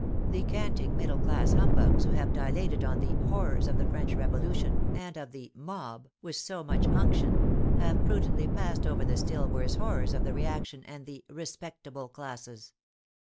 The canting middle class humbugs who have dilated on the " horrors of the French Revolution " and of the " mob " with so much unction, have prudentl}^ passed over the still worse horrors of the Reaction and the " respectable classes."